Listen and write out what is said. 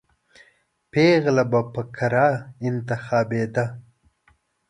پېغله به په قرعه انتخابېده.